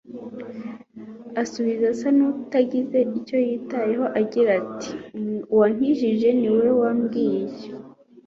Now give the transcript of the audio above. Asubiza asa n'utagize icyo yitayeho agira ati : «Uwankijije ni we wambwiye